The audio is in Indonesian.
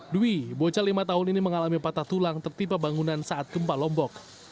dwi bocah lima tahun ini mengalami patah tulang tertimpa bangunan saat gempa lombok